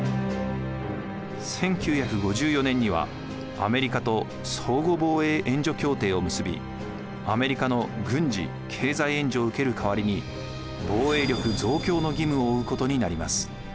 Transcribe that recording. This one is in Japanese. １９５４年にはアメリカと相互防衛援助協定を結びアメリカの軍事・経済援助を受ける代わりに防衛力増強の義務を負うことになります。